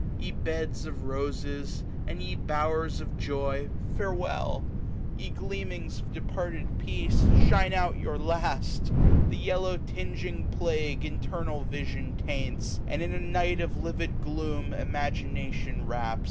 Ye beds of roses, and ye bowers of joy. Farewell ! Ye gleamings of departed peace, Shine out your last ! the yellow tinging plague io8a Internal vision taints, and in a night Of livid gloom imagination wraps.